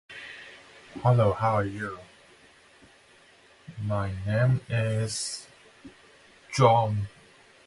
Barley was cultivated in Europe by the lake-dwellers of the Stone Age.